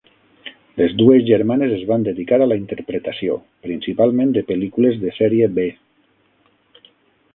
Les dues germanes es van dedicar a la interpretació, principalment de pel·lícules de sèrie B.